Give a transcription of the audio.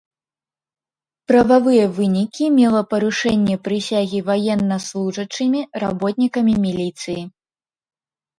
Прававыя вынікі мела парушэнне прысягі ваеннаслужачымі, работнікамі міліцыі.